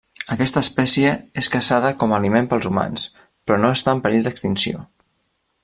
Aquesta espècie és caçada com a aliment pels humans, però no està en perill d'extinció.